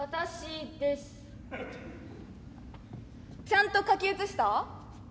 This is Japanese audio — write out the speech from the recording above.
ちゃんと書き写した？